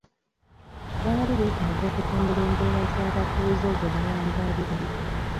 Baali beetaaga okutumbula embeera z'abatuuze ze bawangaaliramu.